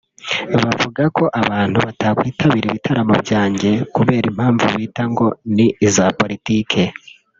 bavuga ko abantu batakwitabira ibitaramo byanjye kubera impamvu bita ngo ni iza politike